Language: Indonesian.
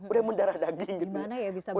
udah mendarah daging gitu